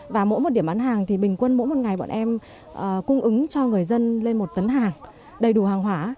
và mỗi một điểm bán hàng thì bình quân mỗi một ngày bọn em cung ứng cho người dân lên một tấn hàng đầy đủ hàng hóa